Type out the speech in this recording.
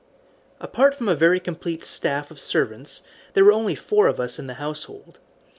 Apart from a very complete staff of servants there were only four of us in the household.